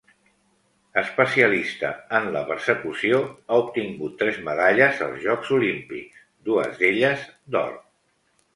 Especialista en la persecució, ha obtingut tres medalles als Jocs Olímpics, dues d'elles d'or.